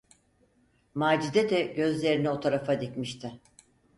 Macide de gözlerini o tarafa dikmişti.